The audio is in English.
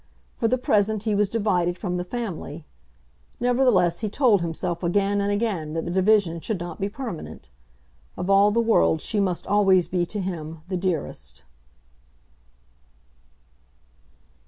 For the present he was divided from the family. Nevertheless he told himself again and again that that division should not be permanent. Of all the world she must always be to him the dearest.